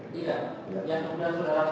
pak tanya ada ada juga